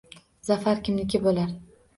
Zafar kimniki bo‘lar